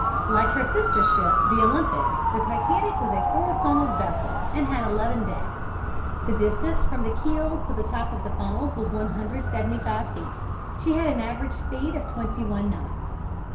Like her sister ship, the Olympic, the Titanic was a four funneled vessel, and had eleven decks. The distance from the keel to the top of the funnels was 175 feet. She had an average speed of twenty one knots.